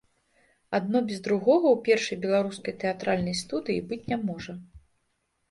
Адно без другога ў першай беларускай тэатральнай студыі быць не можа.